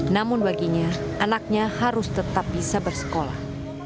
namun baginya anaknya harus tetap bisa bersekolah